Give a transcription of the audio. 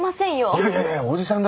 いやいやいやおじさんだし。